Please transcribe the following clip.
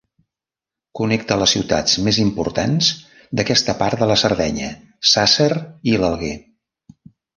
Connecta les ciutats més importants d'aquesta part de la Sardenya, Sàsser i l'Alguer.